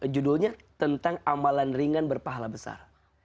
judulnya tentang amalan ringan berpahala besar